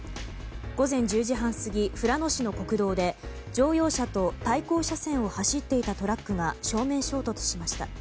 午前１０時半過ぎ富良野市の国道で乗用車と対向車線を走っていたトラックが正面衝突しました。